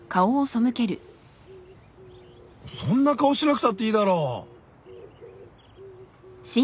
そんな顔しなくたっていいだろ？